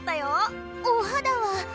お肌は。